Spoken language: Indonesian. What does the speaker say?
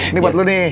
ini buat lu nih